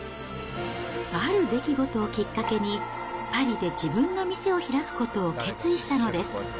ある出来事をきっかけに、パリで自分の店を開くことを決意したのです。